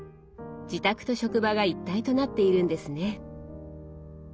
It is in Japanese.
自宅と職場が一体となっているんですね。